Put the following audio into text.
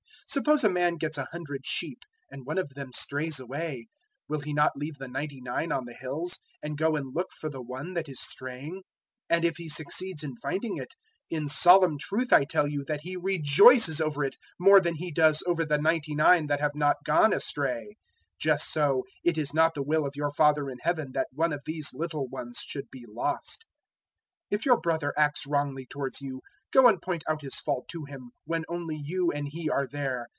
Suppose a man gets a hundred sheep and one of them strays away, will he not leave the ninety nine on the hills and go and look for the one that is straying? 018:013 And if he succeeds in finding it, in solemn truth I tell you that he rejoices over it more than he does over the ninety nine that have not gone astray. 018:014 Just so it is not the will of your Father in Heaven that one of these little ones should be lost. 018:015 "If your brother acts wrongly towards you, go and point out his fault to him when only you and he are there.